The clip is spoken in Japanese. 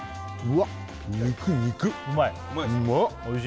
うわっ肉肉うまい？